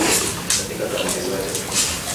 katika Kaunti zote